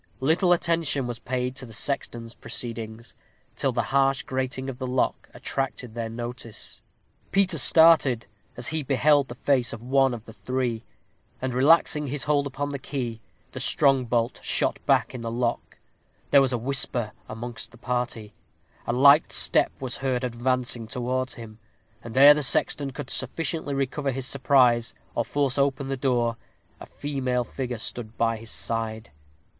Little attention was paid to the sexton's proceedings, till the harsh grating of the lock attracted their notice. Peter started as he beheld the face of one of the three, and relaxing his hold upon the key, the strong bolt shot back in the lock. There was a whisper amongst the party. A light step was heard advancing towards him; and ere the sexton could sufficiently recover his surprise, or force open the door, a female figure stood by his side.